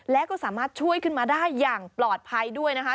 แล้วก็สามารถช่วยขึ้นมาได้อย่างปลอดภัยด้วยนะคะ